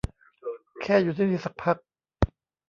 แค่อยู่ที่นี่สักพัก